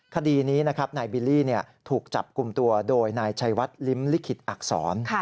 คดีนี้นะครับนายบิลลี่ถูกจับกลุ่มตัวโดยนายชัยวัดลิ้มลิขิตอักษร